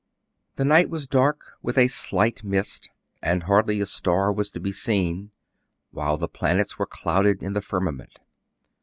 The night was dark, with a slight mist ; and hardly a star was to be seen, while the planets were clouded in the firmament.